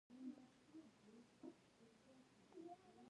د کلیو لپاره طبیعي شرایط خورا مناسب دي.